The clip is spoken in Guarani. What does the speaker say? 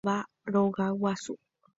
Táva rogaguasu.